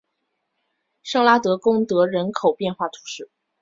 圣拉德贡德人口变化图示